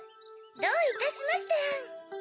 どういたしましてアン。